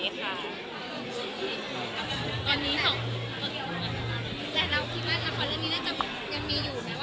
แล้วที่มั่นละครเรื่องนี้น่าจะยังมีอยู่ไหมว่าละครต่อไป